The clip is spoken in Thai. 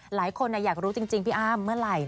หลายคนอยากรู้จริงพี่อ้าม